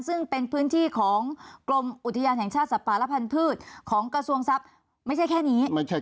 ซึ่งเป็นพื้นที่ของกรมอุทยานแห่งชาติสัตว์ป่าและพันธุ์ของกระทรวงทรัพย์ไม่ใช่แค่นี้